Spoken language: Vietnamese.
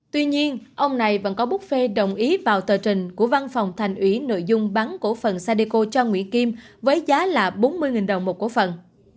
tuy nhiên ông này vẫn có bút phê đồng ý vào tờ trình của văn phòng thành ủy nội dung bán cổ phần sadeco cho nguyễn kim với giá là bốn mươi đồng một cổ phần